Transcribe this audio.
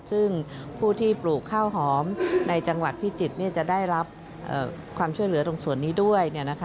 ซึ่งผู้ที่ปลูกข้าวหอมในจังหวัดพิจิตรจะได้รับความช่วยเหลือตรงส่วนนี้ด้วย